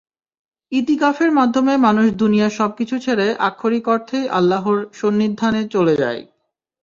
ইতিকাফের মাধ্যমে মানুষ দুনিয়ার সবকিছু ছেড়ে আক্ষরিক অর্থেই আল্লাহর সন্নিধানে চলে যায়।